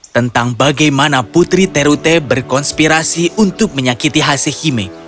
tentang bagaimana putri terute berkonspirasi untuk menyakiti hasehime